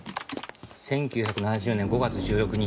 １９７０年５月１６日。